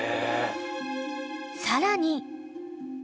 ［さらに］